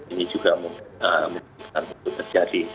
ini juga memungkinkan untuk terjadi